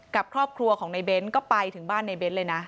กับครอบครัวของในเบ้นก็ไปถึงบ้านในเน้นเลยนะ